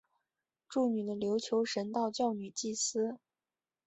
祝女的琉球神道教女祭司。